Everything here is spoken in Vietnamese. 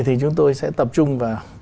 thì chúng tôi sẽ tập trung vào